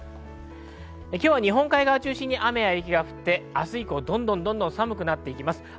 今日は日本海側を中心に雨や雪が降って明日以降、どんどん寒くなってきます。